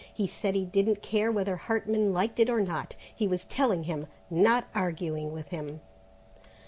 He said he didn't care whether Hartman liked it or not; he was telling him, not arguing with him.